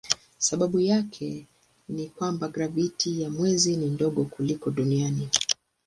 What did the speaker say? Sababu yake ni ya kwamba graviti ya mwezi ni ndogo kuliko duniani.